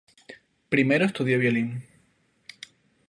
Primero estudió violín.